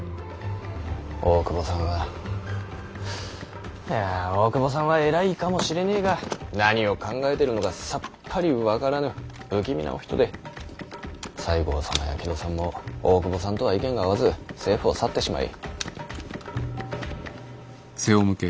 大久保さんはいや大久保さんは偉いかもしれねぇが何を考えているのかさっぱり分からぬ不気味なお人で西郷様や木戸さんも大久保さんとは意見が合わず政府を去ってしまい。